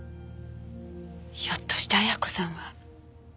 ひょっとして綾子さんは。